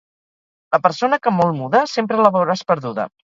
La persona que molt muda sempre la veuràs perduda.